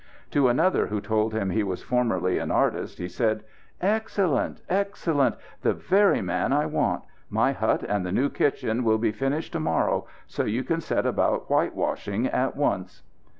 To another who told him he was formerly an artist, he said: "Excellent! excellent! the very man I want. My hut and the new kitchen will be finished to morrow, so you can set about whitewashing at once."